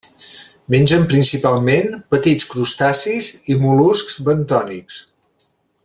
Mengen principalment petits crustacis i mol·luscs bentònics.